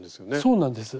そうなんです。